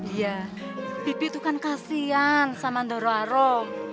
iya bibi itu kan kasihan sama doro arum